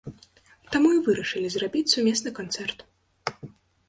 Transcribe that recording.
Таму і вырашылі зрабіць сумесны канцэрт.